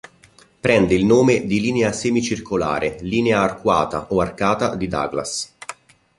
Prende il nome di linea semicircolare, linea arcuata o arcata di Douglas.